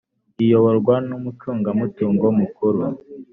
iyoborwa n umucungamutungo mukuru